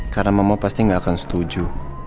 karena mama pasti gak akan setuju